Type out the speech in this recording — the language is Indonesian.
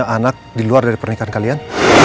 kamu punya anak di luar dari pernikahan kalian